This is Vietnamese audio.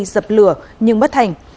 dập lửa nhưng bất thành